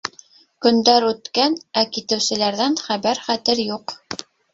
Көндәр үткән, ә китеүселәрҙән хәбәр-хәтер юҡ.